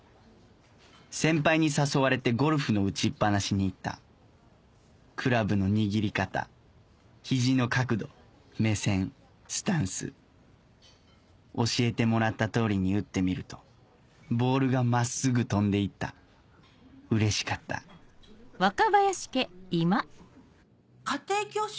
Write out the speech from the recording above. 先輩に誘われてゴルフの打ちっぱなしに行ったクラブの握り方肘の角度目線スタンス教えてもらった通りに打ってみるとボールが真っすぐ飛んでいったうれしかった家庭教師？